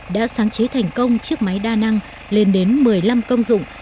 đã sáng chế thành công chiếc máy đa năng lên đến một mươi năm công dụng